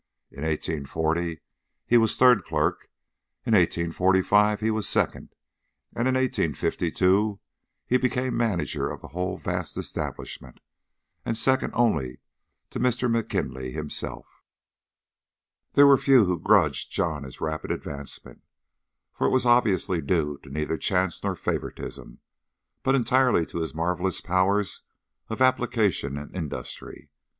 In 1840 he was third clerk, in 1845 he was second, and in 1852 he became manager of the whole vast establishment, and second only to Mr. M'Kinlay himself. There were few who grudged John this rapid advancement, for it was obviously due to neither chance nor favouritism, but entirely to his marvellous powers of application and industry.